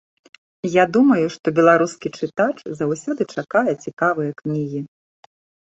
Я думаю, што беларускі чытач заўсёды чакае цікавыя кнігі.